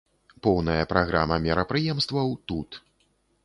Поўная праграма мерапрыемстваў тут.